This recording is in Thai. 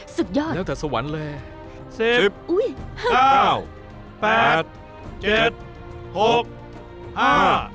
สุดยอดแล้วแต่สวรรค์เลยสิบอุ้ยห้าแปดเจ็ดหกห้า